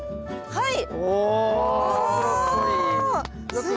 はい！